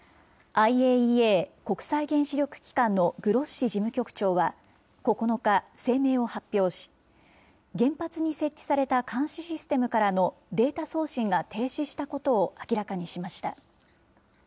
ＩＡＥＡ・国際原子力機関のグロッシ事務局長は９日、声明を発表し、原発に設置された監視システムからのデータ送信が停止したことを明らかにしました。